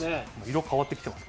色、変わってきてます。